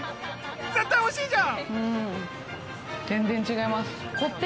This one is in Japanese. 絶対おいしいじゃん！